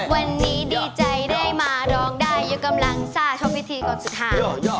วันนี้ดีใจได้มาร้องได้อยู่กำลังสร้างช่องพิธีก่อนสุดท้าย